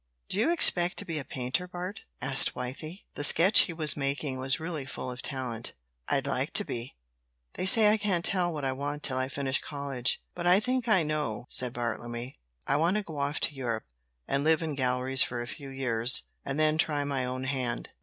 "Do you expect to be a painter, Bart?" asked Wythie. The sketch he was making was really full of talent. "I'd like to be; they say I can't tell what I want till I finish college, but I think I know," said Bartlemy. "I want to go off to Europe and live in galleries for a few years, and then try my own hand."